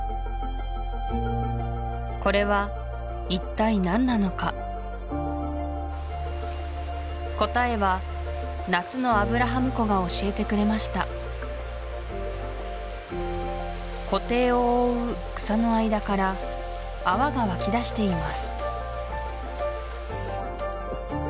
これは一体何なのか答えは夏のアブラハム湖が教えてくれました湖底を覆う草の間から泡が湧きだしています